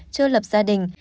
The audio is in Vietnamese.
chưa lập gia đình